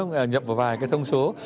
nhập vào vài thông số